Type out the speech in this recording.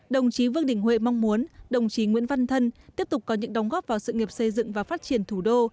đồng chí vương đình huệ mong muốn đồng chí nguyễn văn thân tiếp tục có những đóng góp vào sự nghiệp xây dựng và phát triển thủ đô